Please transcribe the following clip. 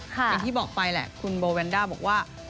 อย่างที่บอกไปแหละคุณโบแวนด้าบอกว่า